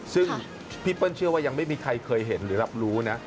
ซึ่งพี่เปิ้ลเชื่อว่ายังไม่มีใครเคยเห็นหรือรับรู้นะ